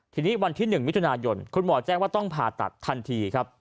ทีนี้วันที่๑มิถุนายนคุณหมอแจ้งว่าต้องผ่าตัดทันทีครับ